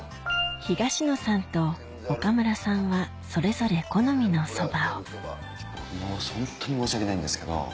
東野さんと岡村さんはそれぞれ好みのそばをホントに申し訳ないんですけど。